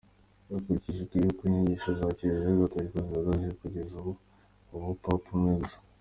Hakurikijwe uko inyigisho za Kiliziya Gatolika zihagaze kugeza ubu habaho Papa umwe gusa.